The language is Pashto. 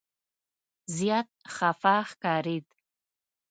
زیات خفه ښکارېد.